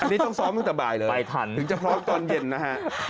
อันนี้ต้องซ้อมตั้งแต่บ่ายเลยถึงจะพร้อมตอนเย็นนะฮะ